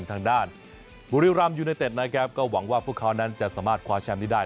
ทางด้านบุรีรำยูไนเต็ดนะครับก็หวังว่าพวกเขานั้นจะสามารถคว้าแชมป์นี้ได้